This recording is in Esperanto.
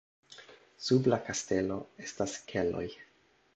Sub la kastelo estas keloj.